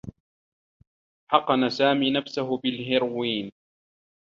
حقن سامي نفسه بالهيرويين.